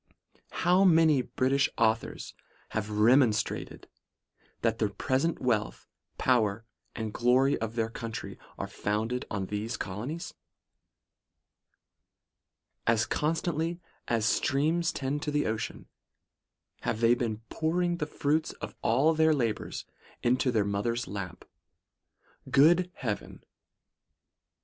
' How many British authors have demonstrated, that the present wealth, power and glory of their country, are founded upon these colonies ? As constantly as streams tend to the ocean have they been pouring the fruits of all their labours into their mother's lap. Good heaven